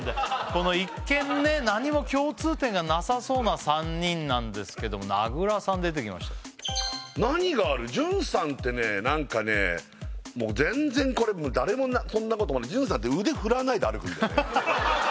この一見ね何も共通点がなさそうな３人なんですけども名倉さん出てきました潤さんってね何かねもう全然これ誰もそんなこと潤さんって腕振らないで歩くんだよね